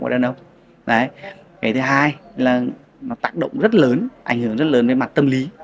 cái thứ hai là nó tác động rất lớn ảnh hưởng rất lớn về mặt tâm lý